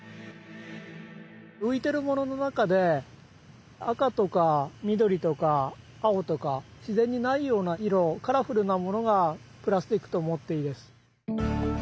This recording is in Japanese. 浮いてるものの中で赤とか緑とか青とか自然にないような色カラフルなものがプラスチックと思っていいです。